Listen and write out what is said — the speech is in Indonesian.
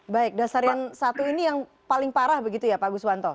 baik dasarian satu ini yang paling parah begitu ya pak guswanto